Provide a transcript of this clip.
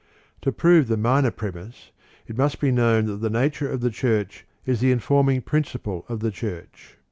2. To prove the minor premise, it must be known that the nature of the Church is the in forming principle of the Church.